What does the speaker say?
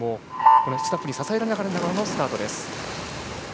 スタッフに支えられながらのスタートです。